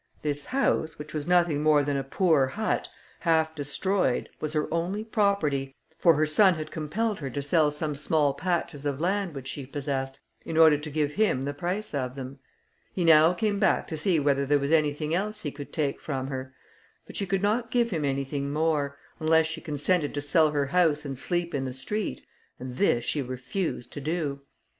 This house, which was nothing more than a poor hut, half destroyed, was her only property, for her son had compelled her to sell some small patches of land which she possessed, in order to give him the price of them. He now came back to see whether there was anything else he could take from her; but she could not give him anything more, unless she consented to sell her house and sleep in the street, and this she refused to do.